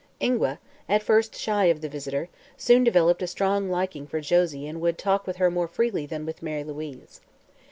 Ingua, at first shy of the visitor, soon developed a strong liking for Josie and would talk with her more freely than with Mary Louise.